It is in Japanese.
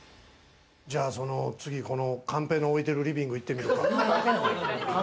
次、このカンペの置いてるリビング行ってみようか。